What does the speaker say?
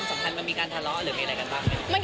ในความสำคัญมันมีการทะเลาะหรือมีอะไรกันบ้างไหม